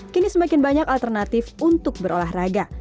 kini semakin banyak alternatif untuk berolahraga